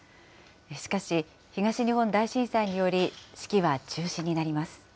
しかし、東日本大震災により式は中止になります。